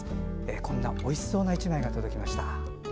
こんなおいしそうな１枚が届きました。